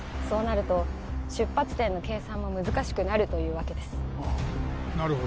そうなると出発点の計算も難しくなるというわけですああ